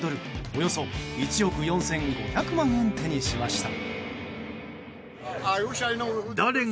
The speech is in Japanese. およそ１億４５００万円を手にしました。